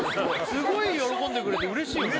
すごい喜んでくれて嬉しいよね